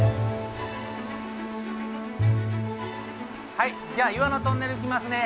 はいじゃあ岩のトンネル行きますね。